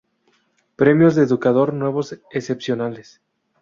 Premios de Educador Nuevos excepcionales.